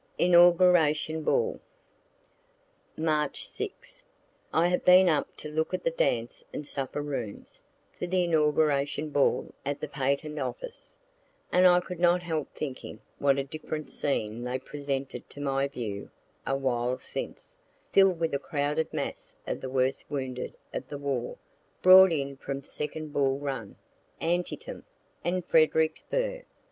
INAUGURATION BALL March 6. I have been up to look at the dance and supper rooms, for the inauguration ball at the Patent office; and I could not help thinking, what a different scene they presented to my view a while since, fill'd with a crowded mass of the worst wounded of the war, brought in from second Bull Run, Antietam, and Fredericksburgh.